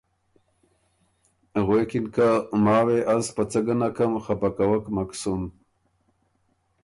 غوېکِن که ”ماوې از په څۀ ګه نکم، خپه کوک مک سُن“